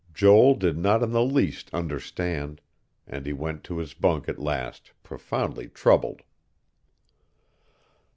Joel did not in the least understand; and he went to his bunk at last, profoundly troubled.